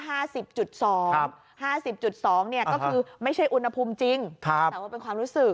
๒ก็คือไม่ใช่อุณหภูมิจริงแต่ว่าเป็นความรู้สึก